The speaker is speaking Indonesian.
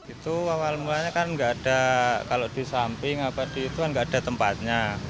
itu awal mulanya kan nggak ada kalau di samping apa di itu kan nggak ada tempatnya